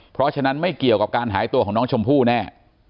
เพราะฉะนั้นไม่เกี่ยวกับการหายตัวของน้องชมพู่แน่